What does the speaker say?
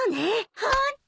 ホント！